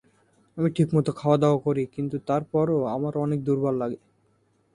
আমি ঠিকমত খাওয়া দাওয়া করি কিন্তু তারপরও আমার অনেক দূর্বল লাগে।